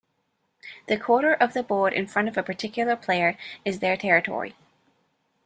The quarter of the board in front of a particular player is their territory.